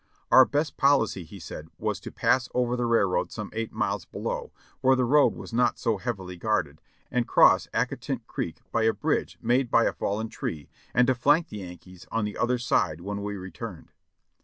Our best policy, he said, was to pass over the railroad some eight miles below, where the road was not so heavily guarded, and cross Accotink Creek by a bridge made by a fallen tree, and to flank the Yankees on the other side when we returned.